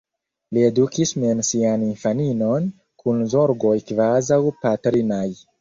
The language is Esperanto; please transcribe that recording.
Li edukis mem sian infaninon, kun zorgoj kvazaŭ patrinaj.